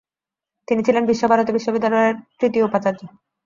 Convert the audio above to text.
তিনি ছিলেন বিশ্বভারতী বিশ্ববিদ্যালয়ের তৃতীয় উপাচার্য।